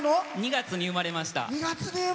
２月に生まれました。